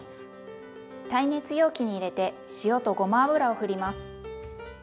耐熱容器に入れて塩とごま油をふります。